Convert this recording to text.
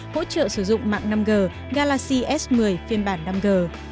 hỗ trợ sử dụng mạng năm g galaxy s một mươi phiên bản năm g